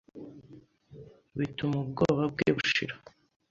bituma ubwoba bwe bushira,